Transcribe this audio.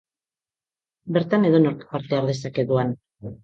Bertan edonork parte har dezake doan.